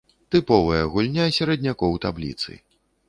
Тыповая гульня сераднякоў табліцы.